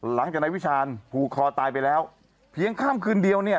หลังจากนายวิชาญผูกคอตายไปแล้วเพียงข้ามคืนเดียวเนี่ย